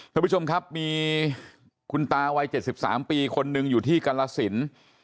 ท่านผู้ชมครับมีคุณตาวัย๗๓ปีคนหนึ่งอยู่ที่กรสิน